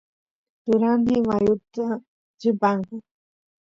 turasniy mayuta chimpanku